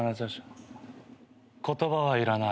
言葉はいらない。